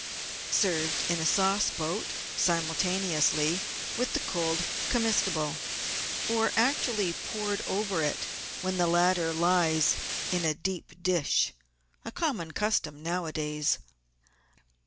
served in a sauce boat simultaneously with the cold comestible, or actually poured over it when the latter lies in a deep dish — a common custom nowadays.